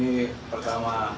jadi ini pertama